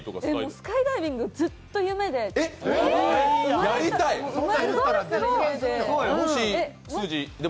スカイダイビング、ずっと夢で。